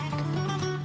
kelebihan dan keuntungan